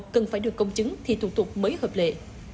cần phải được công chứng thì thủ tục mới hợp lệ